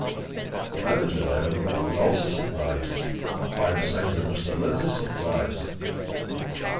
The manager, evidently, was also surprised by the signs of Mr. Lindsey's surprise.